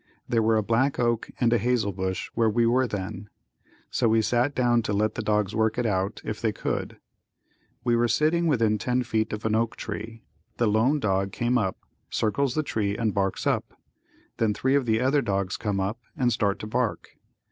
There were a black oak and hazel bush where we were then, so we sat down to let the dogs work it out if they could. We were sitting within 10 feet of an oak tree, the lone dog came up, circles the tree and barks up, then three of the other dogs come up and start to bark.